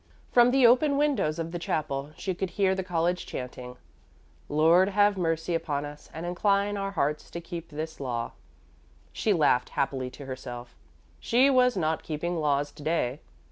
From the open windows of the chapel she could hear the college chanting: "Lord, have mercy upon us, and incline our hearts to keep this law." She laughed happily to herself; she was not keeping laws to day.